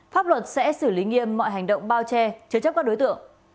pháp luật sẽ xử lý nghiêm mọi hành động bao che chế chấp các đối tượng